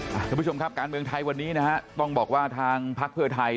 ถ้าคุณผู้ชมการเมืองไทยวันนี้ต้องบอกว่าทางพลักษณ์เพื่อไทย